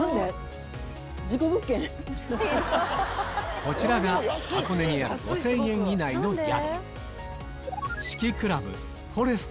こちらが箱根にある５０００円以内の宿